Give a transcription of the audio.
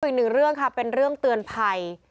อีกหนึ่งเรื่องค่ะเป็นเรื่องเตือนภัย